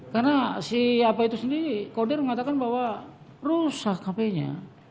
karena si apa itu sendiri kodir mengatakan bahwa rusak hp nya